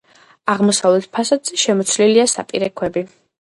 აღმოსავლეთ ფასადზე შემოცლილია საპირე ქვები.